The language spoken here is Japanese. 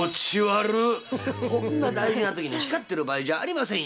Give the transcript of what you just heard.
「こんな大事な時に光ってる場合じゃありませんよ！